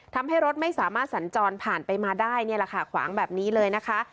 ทำให้รถไม่สามารถสันจรผ่านไปมาได้ขวางแบบนี้เลยนะคะ